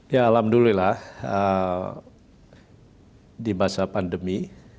ya alhamdulillah di masa pandemi